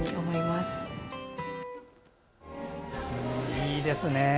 いいですね。